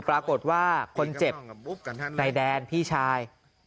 ปรากฏว่าคนเจ็บในแดนพี่ชาย